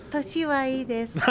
年はいいです。